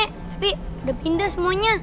tapi udah pindah semuanya